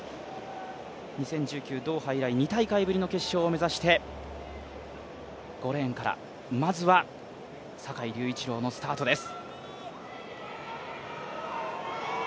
２０１９ドーハ以来、２大会ぶりの決勝を目指して５レーンからまずは坂井隆一郎のスタートです。